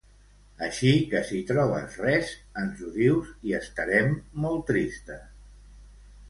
Així que si trobes res, ens ho dius i estarem molt tristes.